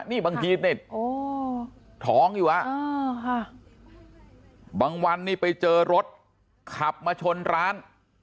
นี่บางทีนี่ท้องอยู่บางวันนี้ไปเจอรถขับมาชนร้าน